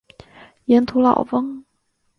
盐土老翁。